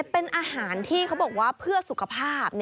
เป็นอาหารที่เขาบอกว่าเพื่อสุขภาพ